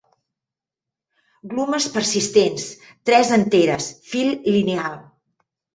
Glumes persistents; tres anteres. Fil lineal.